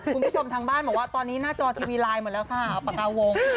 คุณผู้ชมทางบ้านบอกว่าตอนนี้หน้าจอทีวีไลน์หมดแล้วค่ะปากกาวง